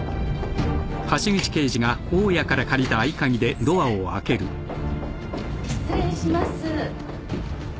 失礼します。